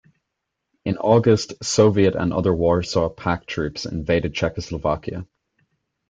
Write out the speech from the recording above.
In August, Soviet and other Warsaw Pact troops invaded Czechoslovakia.